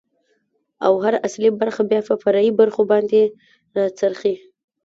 ، او هر اصلي برخه بيا په فرعي برخو باندې را څرخي.